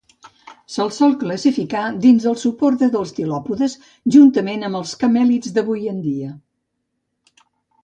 Se'l sol classificar dins el subordre dels tilòpodes, juntament amb els camèlids d'avui en dia.